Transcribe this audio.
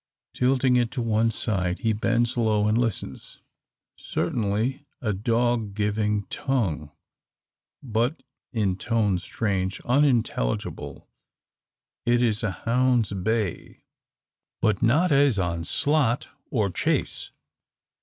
Tilting it to one side, he bends low, and listens. Certainly a dog giving tongue but in tone strange, unintelligible. It is a hound's bay, but not as on slot, or chase.